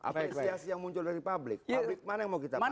apresiasi yang muncul dari publik publik mana yang mau kita baca